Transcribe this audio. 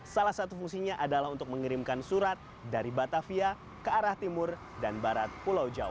salah satu fungsinya adalah untuk mengirimkan surat dari batavia ke arah timur dan barat pulau jawa